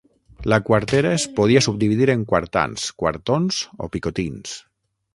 La quartera es podia subdividir en quartans, quartons o picotins.